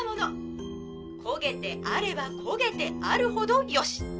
焦げてあれば焦げてあるほど良し！